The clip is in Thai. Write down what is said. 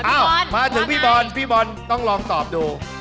เอ้ามาถึงพี่บอลพี่บอลต้องลองตอบดู